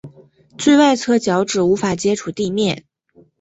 最外侧脚趾无法接触地面。